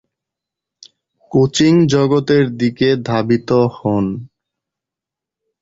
Coaching জগতের দিকে ধাবিত হন।